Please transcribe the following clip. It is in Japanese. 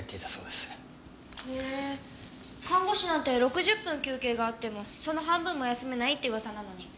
へえ看護師なんて６０分休憩があってもその半分も休めないって噂なのに。